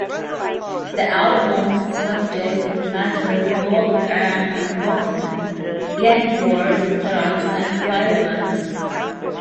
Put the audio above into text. The album's subject matter revolved around Brooklyn, gang-wars, drugs, and violence.